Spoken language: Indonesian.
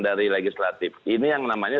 dari legislatif ini yang namanya